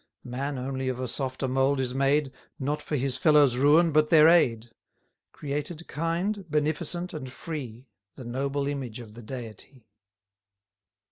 Man only of a softer mould is made, Not for his fellows' ruin, but their aid: Created kind, beneficent, and free, The noble image of the Deity.